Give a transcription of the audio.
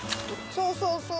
そうそうそうそう！